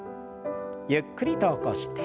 ゆっくりと起こして。